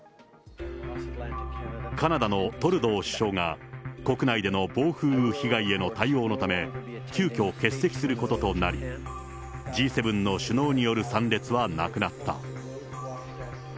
カナダのトルドー首相が、国内での暴風雨被害への対応のため、急きょ、欠席することとなり、Ｇ７の首脳による参列はなくなった。